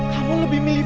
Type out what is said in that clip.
kamu lebih milih